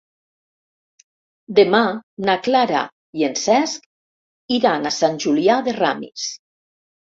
Demà na Clara i en Cesc iran a Sant Julià de Ramis.